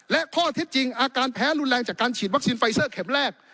และข้อเท็จจริงอาการแพ้รุนแรงจากการฉีดวัคซีนไฟเซอร์เข็มแรก